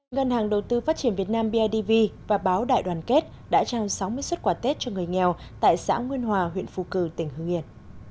ngân hàng đầu tư phát triển việt nam bidv và báo đại đoàn kết đã trao sáu mươi xuất quà tết cho người nghèo tại xã nguyên hòa huyện phù cử tỉnh hưng yên